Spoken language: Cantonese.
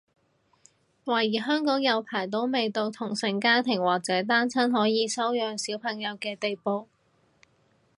懷疑香港有排都未到同性家庭或者單親可以收養小朋友嘅地步